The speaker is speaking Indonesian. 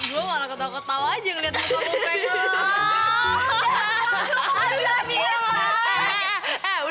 gue malah ketawa ketawa aja ngeliat lo sama velo